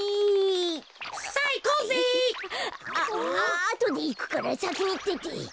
ああとでいくからさきにいってて。